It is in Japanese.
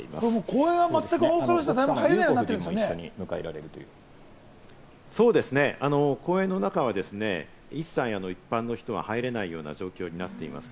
公園は他の人が誰も入れないそうですね、公園の中は一切、一般の人は入れないような状況になっています。